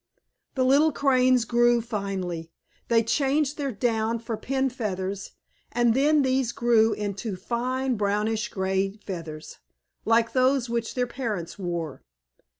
The little Cranes grew finely. They changed their down for pin feathers, and then these grew into fine brownish gray feathers, like those which their parents wore.